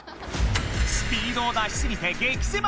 スピードを出しすぎて激せま